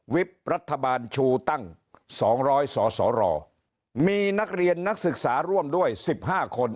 วิบรัฐบาลชูตั้งสองร้อยส่อส่อรอมีนักเรียนนักศึกษาร่วมด้วยสิบห้าคน